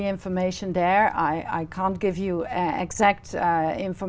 và tôi có một câu hỏi cho các bạn